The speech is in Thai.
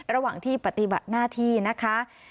ระหว่างที่ปฏิบัติหน้าที่นะคะ